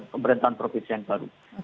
pemerintahan provinsi yang baru